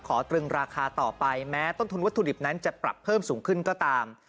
ตรึงราคาต่อไปแม้ต้นทุนวัตถุดิบนั้นจะปรับเพิ่มสูงขึ้นก็ตาม